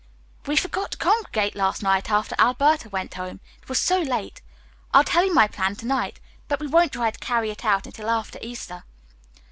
"We forgot to congregate last night after Alberta went home, it was so late. I'll tell you my plan to night. But we won't try to carry it out until after Easter."